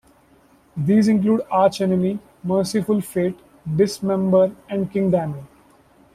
These include Arch Enemy, Mercyful Fate, Dismember and King Diamond.